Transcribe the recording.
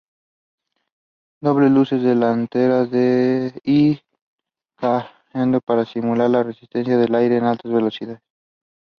Rutledge was the first woman in Western Canada to achieve this.